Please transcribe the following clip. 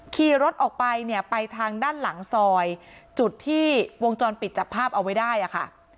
ขี่รถออกไปเนี่ยไปทางด้านหลังซอยจุดที่วงจรปิดจับภาพเอาไว้ได้อะค่ะ